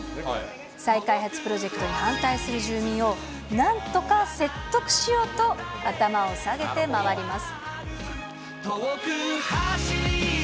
再開発プロジェクトに反対する住民を、なんとか説得しようと、頭を下げて回ります。